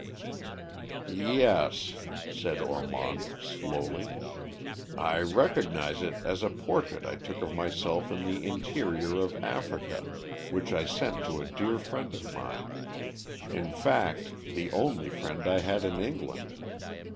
"Yes," said Ormond slowly. "I recognise it as a portrait I took of myself in the interior of Africa which I sent to a dear friend of mine; in fact, the only friend I had in England.